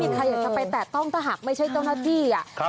ไม่มีใครอยากจะไปแตะต้องตะหักไม่ใช่ต้องหน้าตี้อ่ะ